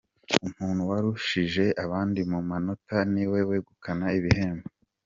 Umuntu warushije abandi mu manota niwe wegukana ibihembo.